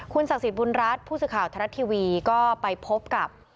ศักดิ์สิทธิบุญรัฐผู้สื่อข่าวทรัฐทีวีก็ไปพบกับ